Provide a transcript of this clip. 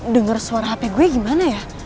dengar suara hp gue gimana ya